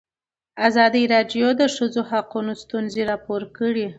ازادي راډیو د د ښځو حقونه ستونزې راپور کړي.